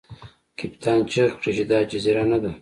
کپتان چیغې کړې چې دا جزیره نه ده.